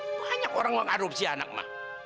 banyak orang yang adopsi anak ma